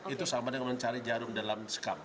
itu sama dengan mencari jarum dalam sekam